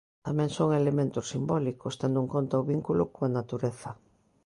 Tamén son elementos simbólicos tendo en conta o vínculo coa natureza.